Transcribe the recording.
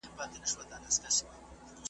د شعر د پیغام په برخه کي پوښتنه وسي .